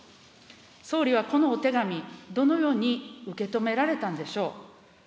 総理はこのお手紙、どのように受け止められたんでしょう。